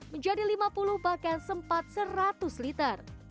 menjadi lima puluh bahkan sempat seratus liter